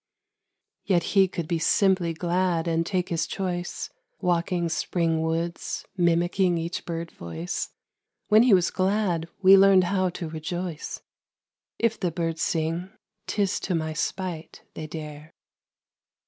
Yet he could be simply glad and take his choice, Walking spring woods, mimicking each bird voice; When he was glad we learned how to rejoice: If the birds sing, 'tis to my spite they dare.